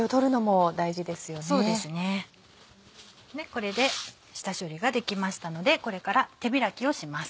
これで下処理ができましたのでこれから手開きをします。